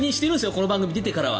この番組に出てからは。